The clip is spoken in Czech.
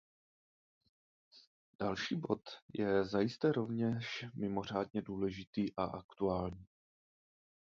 Další bod je zajisté rovněž mimořádně důležitý a aktuální.